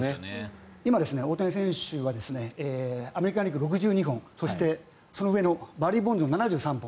今、大谷選手はアメリカン・リーグ、６２本そして、その上のバリー・ボンズの７３本。